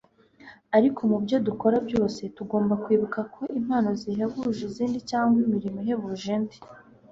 ariko mu byo dukora byose tugomba kwibuka ko impano zihebuje izindi cyangwa imirimo ihebuje indi